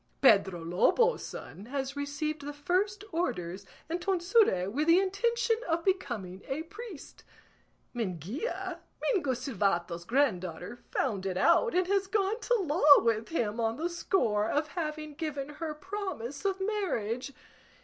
Pedro Lobo's son has received the first orders and tonsure, with the intention of becoming a priest. Minguilla, Mingo Silvato's granddaughter, found it out, and has gone to law with him on the score of having given her promise of marriage.